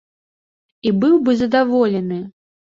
І быў бы задаволены!